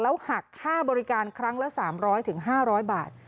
หักค่าบริการครั้งละ๓๐๐๕๐๐บาท